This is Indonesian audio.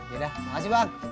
yaudah makasih bang